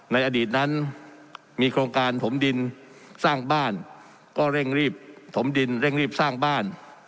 ในอดีตนั้นมีโครงการถมดินสร้างบ้านก็เร่งรีบถมดินเร่งรีบสร้างบ้าน